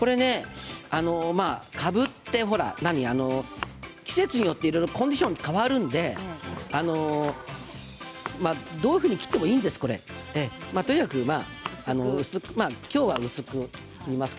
かぶって、季節によってコンディションが変わるのでどういうふうに切ってもいいんですよ、これとにかく、きょうは薄く切ります